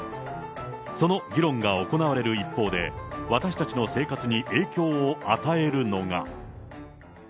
その議論が行われる一方で、私たちの生活に影響を与えるのが。